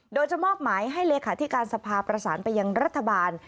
โดยจะมอบหมายให้เลขาธิการสภาประสานไปยังรัฐบาล